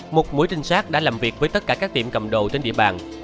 một mối trinh sát đã làm việc với tất cả các tiệm cầm đồ trên địa bàn